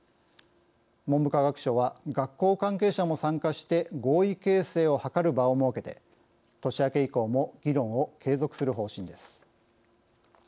文部科学省は学校関係者も参加して合意形成を図る場を設けて年明け以降も議論を継続する方針です。